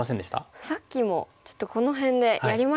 さっきもちょっとこの辺でやりましたかね。